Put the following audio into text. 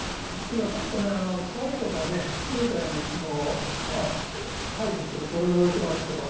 今、ちょっとね、腐りとかね、過ぎたようなイチゴを排除っていうか、取り除いてますけど。